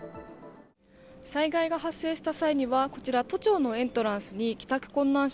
災害が発生した際にはこちら都庁のエントランスに帰宅困難者